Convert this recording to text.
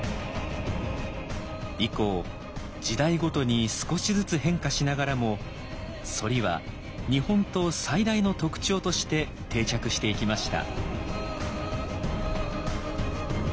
以降時代ごとに少しずつ変化しながらも「反り」は日本刀最大の特徴として定着していきました。